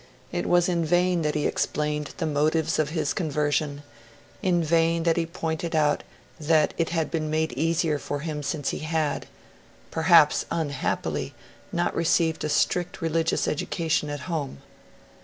It was in vain that he explained the motives of his conversion, in vain that he pointed out that it had been made easier for him since he had, 'PERHAPS UNHAPPILY, not received a strict religious education at home'.